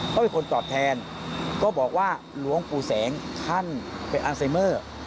เขาเป็นคนตอบแทนก็บอกว่าหลวงปู่แสงท่านเป็นอัลไซเมอร์